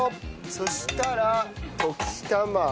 そしたら溶き卵。